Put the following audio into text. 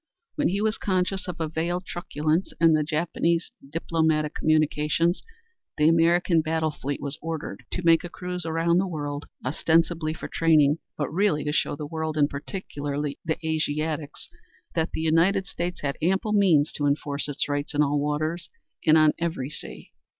When he was conscious of a "veiled truculence" in the Japanese diplomatic communications, the American battle fleet was ordered to make a cruise around the world, ostensibly for training, but really to show the world, and particularly the Asiatics, that the United States had ample means to enforce its rights in all waters and on every sea.